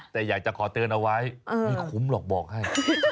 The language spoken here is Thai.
แต่อยากจะขอเตือนเอาไว้ไม่คุ้มหรอกบอกให้